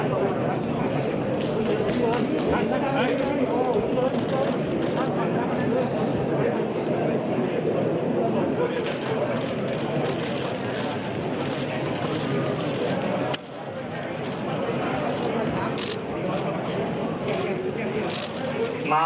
หมายเลขที่๓๗ครับ